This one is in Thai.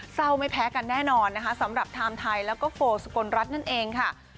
ไม่แพ้กันแน่นอนนะคะสำหรับไทม์ไทยแล้วก็โฟสกลรัฐนั่นเองค่ะ